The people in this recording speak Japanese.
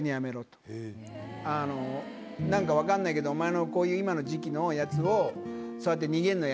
「なんか分かんないけどお前のこういう今の時期のやつを」。